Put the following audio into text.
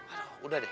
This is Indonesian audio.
aduh udah deh